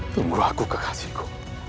tunggu aku kekasihku